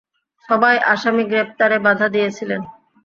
সবাই আসামি গ্রেফতারে বাধা দিয়েছিলে।